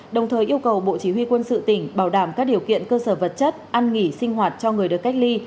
đồng thời yêu cầu bộ chỉ huy quân sự tỉnh bảo đảm các điều kiện cơ sở vật chất ăn nghỉ sinh hoạt cho người được cách ly